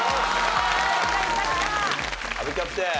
阿部キャプテン。